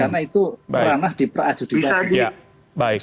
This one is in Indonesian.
karena itu ranah di per adjudikasi